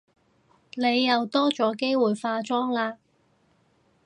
你又多咗機會化妝喇